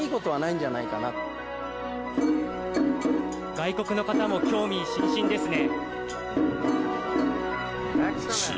外国の方々も興味津々ですね。